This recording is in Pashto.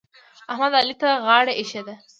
احمد؛ علي ته غاړه ايښې ده.